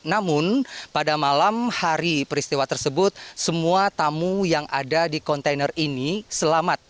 namun pada malam hari peristiwa tersebut semua tamu yang ada di kontainer ini selamat